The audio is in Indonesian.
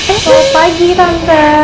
oh pagi tante